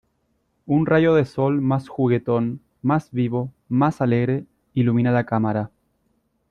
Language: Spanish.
un rayo de sol más juguetón, más vivo , más alegre , ilumina la cámara ,